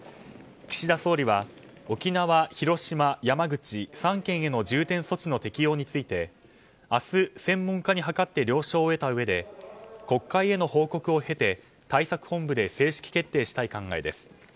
岸田総理は沖縄、広島、山口３県への重点措置の適用について明日、専門家にはかって了承を得たうえで国会への報告を経て対策本部で正式決定したい考えです。